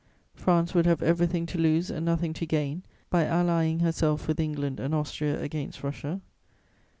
France would have everything to lose and nothing to gain by allying herself with England and Austria against Russia.